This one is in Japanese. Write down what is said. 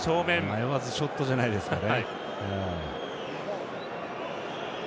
迷わずショットじゃないでしょうか。